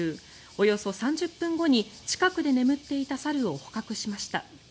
およそ３０分後に近くで眠っていた猿を捕獲しました。